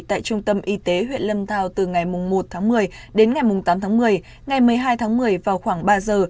tại trung tâm y tế huyện lâm thao từ ngày một tháng một mươi đến ngày tám tháng một mươi ngày một mươi hai tháng một mươi vào khoảng ba giờ